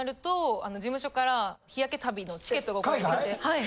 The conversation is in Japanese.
はい。